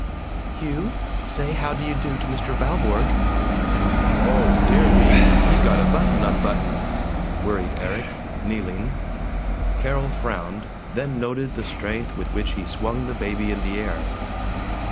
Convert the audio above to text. "Hugh, say how do you do to Mr. Valborg." "Oh, dear me, he's got a button unbuttoned," worried Erik, kneeling. Carol frowned, then noted the strength with which he swung the baby in the air.